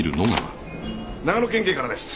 長野県警からです。